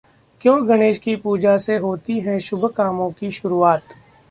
क्यों गणेश की पूजा से होती है शुभ कामों की शुरुआत?